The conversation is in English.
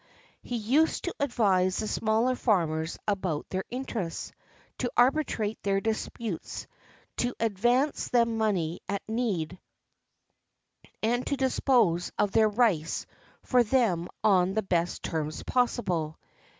He used to advise the smaller farmers about their interests, to arbitrate their disputes, to ad vance them money at need, and to dispose of their rice for them on the best terms possible.